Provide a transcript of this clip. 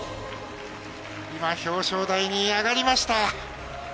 今、表彰台に上がりました。